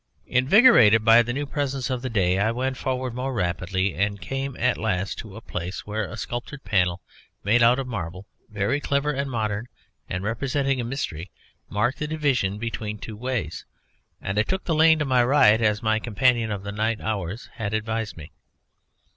Invigorated by the new presence of the day I went forward more rapidly, and came at last to a place where a sculptured panel made out of marble, very clever and modern, and representing a mystery, marked the division between two ways; and I took the lane to my right as my companion of the night hours had advised me.